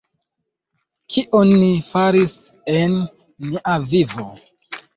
Kion ni faris en nia vivo?